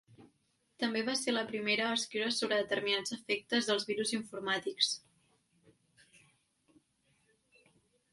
També va ser el primer a escriure sobre determinats efectes dels virus informàtics.